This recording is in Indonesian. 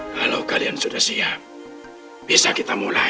kalau kalian sudah siap bisa kita mulai